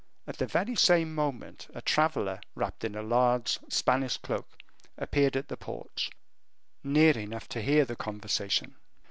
At the very same moment, a traveler, wrapped in a large Spanish cloak, appeared at the porch, near enough to hear the conversation.